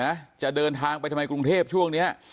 จะเดินทางไปทำไมกรุงเทพช่วงเนี้ย